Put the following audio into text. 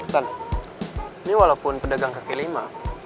ini walaupun pedagang kaki lima